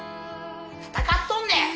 戦っとんねん！